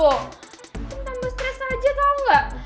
kita tambah stress aja tau gak